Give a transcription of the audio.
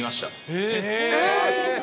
えっ。